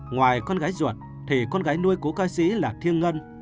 ngoài con gái ruột thì con gái nuôi cố ca sĩ là thiêng ngân